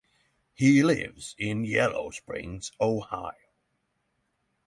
He lives in Yellow Springs, Ohio.